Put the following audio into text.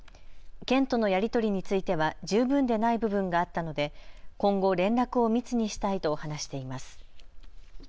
県とのやり取りについては十分でない部分があったので今後、連絡を密にしたいと話しています。